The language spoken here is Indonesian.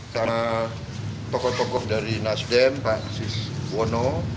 sama tokoh tokoh dari nasdem pak siswono